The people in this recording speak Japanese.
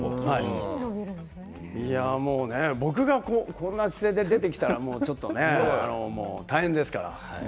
僕がこんな姿勢で出てきたらちょっとね大変ですから。